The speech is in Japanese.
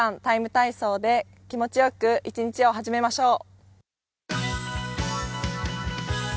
ＴＩＭＥ，体操」で体を気持ちよく始めましょう。